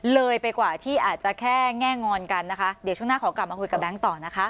เลยไปกว่าที่อาจจะแค่แง่งอนกันนะคะเดี๋ยวช่วงหน้าขอกลับมาคุยกับแบงค์ต่อนะคะ